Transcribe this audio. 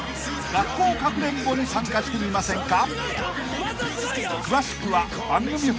学校かくれんぼに参加してみませんか？］